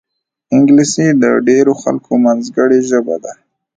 انګلیسي د ډېرو خلکو منځګړې ژبه ده